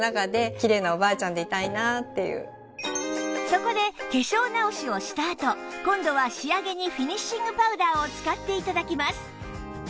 そこで化粧直しをしたあと今度は仕上げにフィニッシングパウダーを使って頂きます